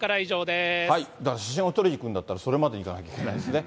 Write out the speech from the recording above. だから写真を撮りに行くんだったら、それまでに行かなきゃいけないですね。